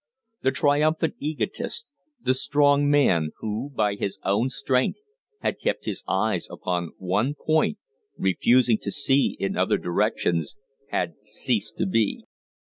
The triumphant egotist the strong man who, by his own strength, had kept his eyes upon one point, refusing to see in other directions, had ceased to be.